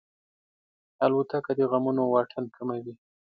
الوتکه د غمونو واټن کموي.